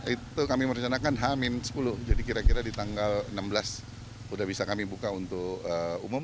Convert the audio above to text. itu kami merencanakan hamin sepuluh jadi kira kira di tanggal enam belas sudah bisa kami buka untuk umum